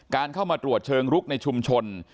เข้ามาตรวจเชิงลุกในชุมชน